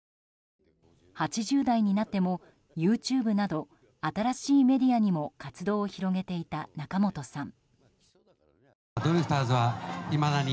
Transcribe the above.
８０代になってもＹｏｕＴｕｂｅなど新しいメディアにも活動を広げていた仲本さん。